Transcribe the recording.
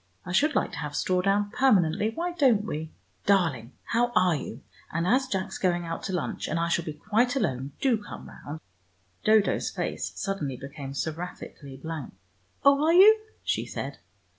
I should like to have straw down permanently, why don't we? Darling, how are you, and as Jack's going out to lunch, and I shall be quite alone, do come round " Dodo's face suddenly became seraphically blank. "Oh, are you?" she said.